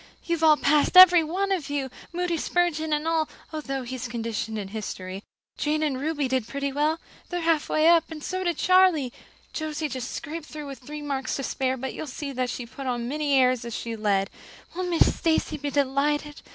You've all passed, every one of you, Moody Spurgeon and all, although he's conditioned in history. Jane and Ruby did pretty well they're halfway up and so did Charlie. Josie just scraped through with three marks to spare, but you'll see she'll put on as many airs as if she'd led. Won't Miss Stacy be delighted?